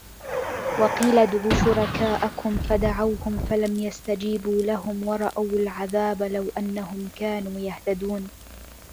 وَقيلَ ادعوا شُرَكاءَكُم فَدَعَوهُم فَلَم يَستَجيبوا لَهُم وَرَأَوُا العَذابَ لَو أَنَّهُم كانوا يَهتَدونَ